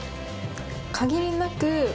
限りなく